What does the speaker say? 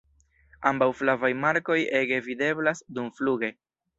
Ambaŭ flavaj markoj ege videblas dumfluge.